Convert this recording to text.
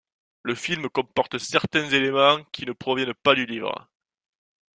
Le film comporte certains éléments qui ne proviennent pas du livre.